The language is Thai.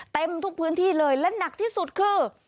เต็มทุกพื้นที่เลยและหนักที่สุดคือ